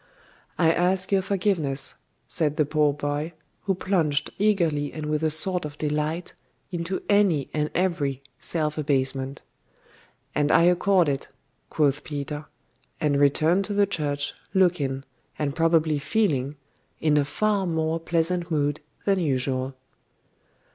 'I ask your forgiveness,' said the poor boy, who plunged eagerly and with a sort of delight into any and every self abasement. 'And I accord it,' quoth Peter; and returned to the church, looking, and probably feeling, in a far more pleasant mood than usual.